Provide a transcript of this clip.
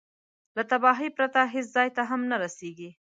له تباهي پرته هېڅ ځای ته هم نه رسېږي.